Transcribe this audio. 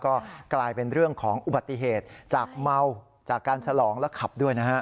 ก็กลายเป็นเรื่องของอุบัติเหตุจากเมาจากการฉลองและขับด้วยนะฮะ